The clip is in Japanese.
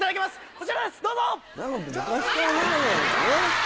こちらですどうぞ！